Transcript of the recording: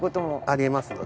あり得ますのでね